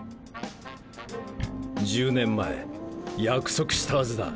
１０年前約束したはずだ。